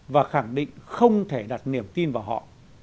và khẳng định không thể đặt niềm tin vào họ